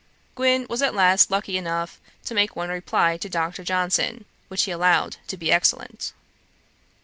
Gwyn at last was lucky enough to make one reply to Dr. Johnson, which he allowed to be excellent.